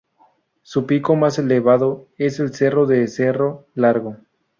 Su pico más elevado es el Cerro de Cerro Largo.